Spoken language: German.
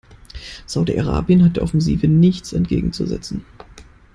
Saudi-Arabien hat der Offensive nichts entgegenzusetzen.